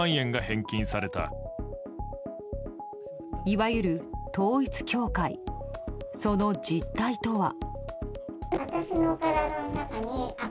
いわゆる統一教会その実態とは。